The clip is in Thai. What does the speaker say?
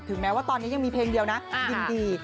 แม้ว่าตอนนี้ยังมีเพลงเดียวนะยินดี